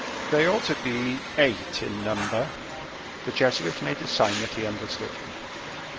"They ought to be eight in number." The Jesuit made a sign that he understood him.